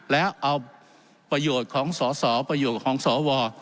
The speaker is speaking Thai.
แล้วเอาประโยชน์ของสอสอประโยชน์ของสว